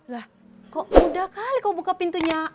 lah kok udah kali kau buka pintunya